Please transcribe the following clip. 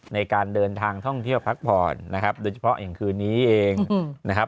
ในการเดินทางท่องเที่ยวพักผ่อนนะครับโดยเฉพาะอย่างคืนนี้เองนะครับ